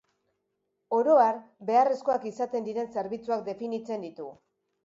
Oro har, beharrezkoak izaten diren zerbitzuak definitzen ditu.